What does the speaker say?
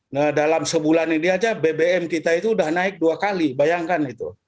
nah dalam sebulan ini aja bbm kita itu udah naik dua kali bayangkan itu